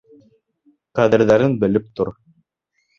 Ҡәҙерҙәрен белеп тор.